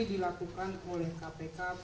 dilakukan oleh kpk